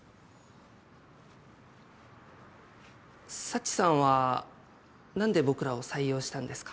佐知さんはなんで僕らを採用したんですか？